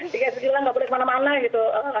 dikasih jilang nggak boleh kemana mana gitu